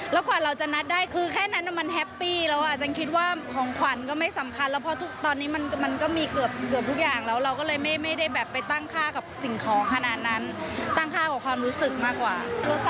แล้วกว่าเราจะนัดได้คือแค่นั้นมันแฮปปี้แล้วอ่ะจังคิดว่าของขวัญก็ไม่สำคัญแล้วเพราะตอนนี้มันก็มีเกือบทุกอย่างแล้วเราก็เลยไม่ได้แบบไปตั้งค่ากับสิ่งของขนาดนั้นตั้งค่ากับความรู้สึกมากกว่า